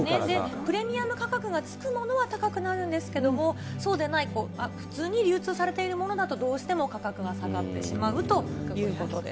プレミアム価格がつくものは高くなるんですけれども、そうでない、普通に流通されているものだと、どうしても価格が下がってしまうということです。